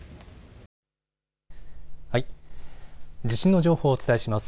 地震の情報をお伝えします。